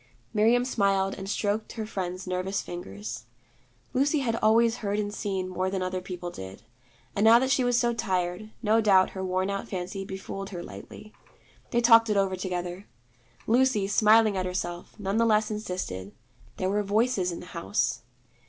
Miriam smiled and stroked her friend's nervous fingers. Lucy had always heard and seen more than other people did, and now that she was so tired, no doubt her worn out fancy befooled her lightly. They talked it over together. Lucy, smiling at herself, none the less insisted: there were Voices in the house.